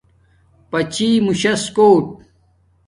پچامس کوٹ